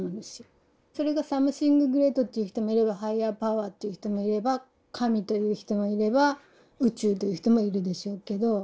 それがサムシング・グレートっていう人もいればハイアーパワーという人もいれば神という人もいれば宇宙という人もいるでしょうけど。